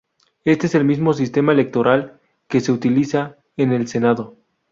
Este es el mismo sistema electoral que se utiliza en el Senado.